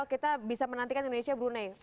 kita bisa menantikan indonesia brunei